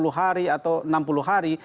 tiga puluh hari atau enam puluh hari